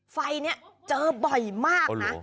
ไฟนี้เจอบ่อยมากนะ